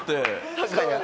確かに。